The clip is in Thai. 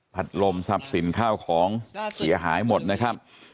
ลมทรัพย์สินข้าวของเสียหายหมดนะครับ